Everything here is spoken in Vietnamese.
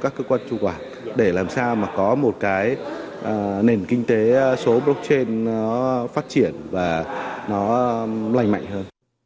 các cơ quan chủ quản để làm sao mà có một cái nền kinh tế số blockchain nó phát triển và nó lành mạnh hơn